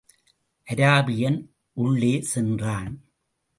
Arabian உள்ளே சென்றான்.